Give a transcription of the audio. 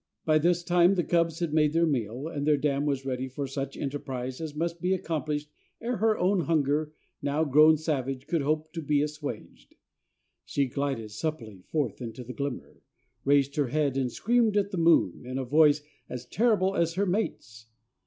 By this time the cubs had made their meal, and their dam was ready for such enterprise as must be accomplished ere her own hunger, now grown savage, could hope to be assuaged. She glided supplely forth into the glimmer, raised her head, and screamed at the moon in a voice as terrible as her mate's.